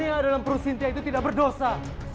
yang ada dalam perut sintia itu tidak berdosa